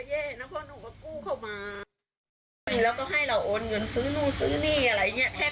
แย่นะเพราะหนูก็กู้เข้ามาแล้วก็ให้เราโอนเงินซื้อนู่นซื้อนี่อะไรอย่างเงี้แค่